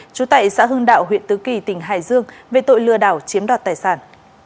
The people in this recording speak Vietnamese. trú tại xã hưng đạo huyện tứ kỳ tỉnh hải dương về tội lừa đảo chiếm đoạt tài sản